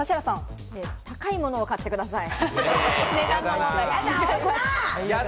高いものを買ってください。